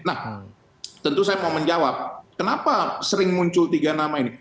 nah tentu saya mau menjawab kenapa sering muncul tiga nama ini